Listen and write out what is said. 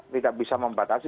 tidak bisa membatasi